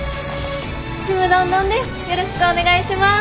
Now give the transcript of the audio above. よろしくお願いします。